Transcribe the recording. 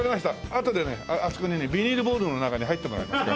あとでねあそこにねビニールボールの中に入ってもらいますね。